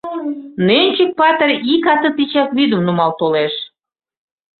Нӧнчык-патыр ик ате тичак вӱдым нумал толеш.